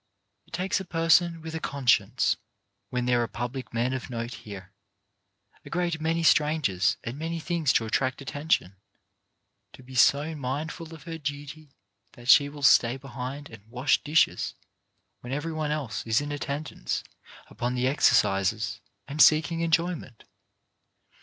It takes a person with a conscience, when there are public men of note here, a great many strangers and many things to attract attention, to be so mindful of her duty that she will stay behind and wash dishes when every one else is in attendance upon the exercises and seeking enjoyment.